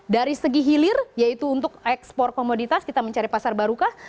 dari segi hilir yaitu untuk ekspor komoditas kita mencari pasar barukah